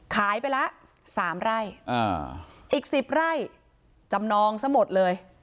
ขายไปแล้วสามไร้อ่าอีกสิบไร้จำนองซะหมดเลย